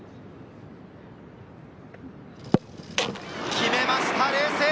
決めました、冷静！